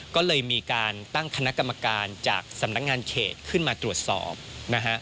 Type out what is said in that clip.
ก็เลยมีการตั้งคณะกรรมการจากสำนักงานเขตขึ้นมาตรวจสอบนะฮะ